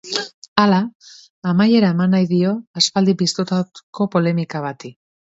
Hala, amaiera eman nahi dio aspaldi piztutako polemika bati.